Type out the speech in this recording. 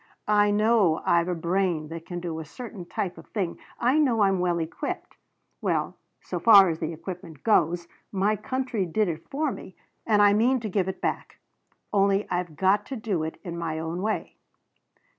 I know I've a brain that can do a certain type of thing. I know I'm well equipped. Well, so far as the equipment goes, my country did it for me and I mean to give it back; only I've got to do it in my own way."